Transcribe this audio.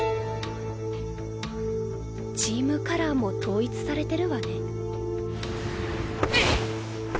チームカラーも統一されてるわね。